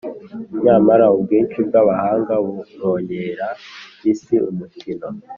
Nyamara ubwinshi bw’abahanga buronkera isi umukiro,